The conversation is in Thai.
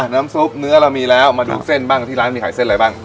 น้ำซุปเนื้อเรามีแล้วมาดูเส้นบ้างที่ร้านมีขายเส้นอะไรบ้าง